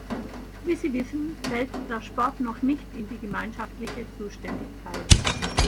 Wie Sie wissen, fällt der Sport noch nicht in die gemeinschaftliche Zuständigkeit.